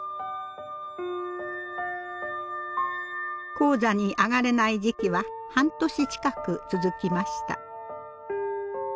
高座に上がれない時期は半年近く続きました。